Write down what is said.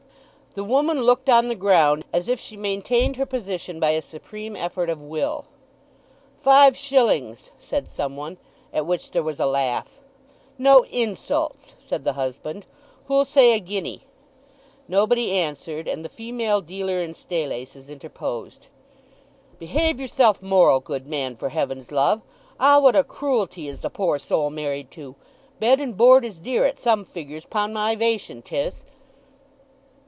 The woman looked on the ground, as if she maintained her position by a supreme effort of will. "Five shillings," said someone, at which there was a laugh. "No insults," said the husband. "Who'll say a guinea?" Nobody answered; and the female dealer in staylaces interposed. "Behave yerself moral, good man, for Heaven's love! Ah, what a cruelty is the poor soul married to! Bed and board is dear at some figures 'pon my 'vation 'tis!"